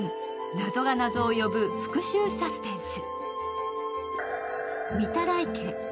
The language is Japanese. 謎が謎を呼ぶ復しゅうサスペンス。